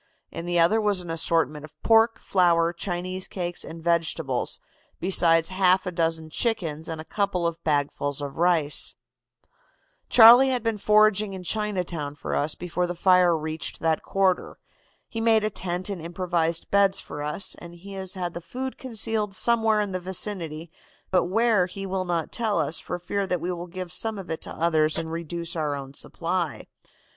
In the other was an assortment of pork, flour, Chinese cakes and vegetables, besides a half dozen chickens and a couple of bagfuls of rice.' "'Charlie had been foraging in Chinatown for us before the fire reached that quarter. He made a tent and improvised beds for us, and he has the food concealed somewhere in the vicinity, but where he will not tell us, for fear that we will give some of it to others and reduce our own supply.